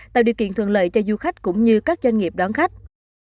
tạo điều kiện thuận lợi cho du khách cũng như các doanh nghiệp đón khách